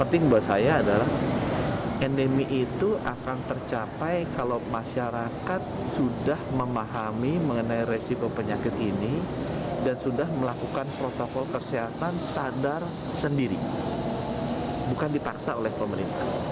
tetapi keadaan indonesia selalu akan berakhir dengan endemi